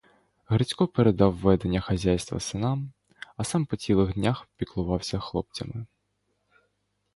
Грицько передав ведення хазяйства синам, а сам по цілих днях піклувався хлопцями.